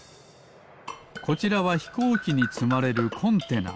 こちらはひこうきにつまれるコンテナ。